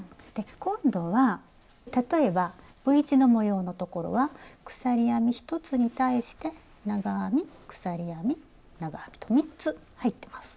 今度は例えばＶ字の模様のところは鎖編み１つに対して長編み鎖編み長編みと３つ入ってます。